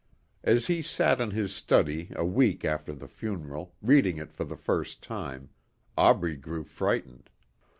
As he sat in his study a week after the funeral reading it for the first time, Aubrey grew frightened.